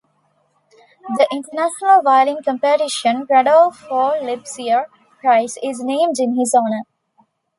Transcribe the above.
The International Violin Competition "Rodolfo Lipizer Prize" is named in his honour.